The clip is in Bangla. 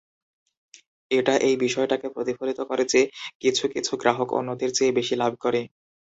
এটা এই বিষয়টাকে প্রতিফলিত করে যে, কিছু কিছু গ্রাহক অন্যদের চেয়ে বেশি লাভ করে।